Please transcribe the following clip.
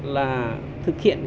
là thực hiện